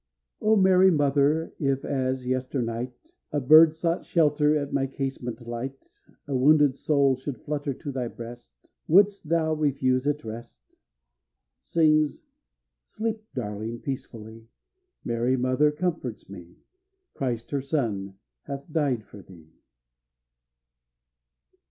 O Mary, Mother, if, as yesternight A bird sought shelter at my casement light, A wounded soul should flutter to thy breast, Wouldst thou refuse it rest? Sleep, darling, peacefully, Mary, Mother, comforts me; Christ, her son, hath died for thee.